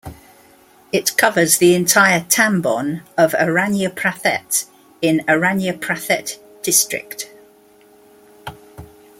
It covers the entire "tambon" of Aranyaprathet, in Aranyaprathet District.